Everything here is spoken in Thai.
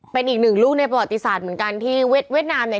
เป็นอีกหนึ่งลูกในประวัติศาสตร์เหมือนกันที่เวียดนามเนี่ย